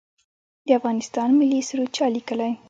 د افغانستان ملي سرود چا لیکلی؟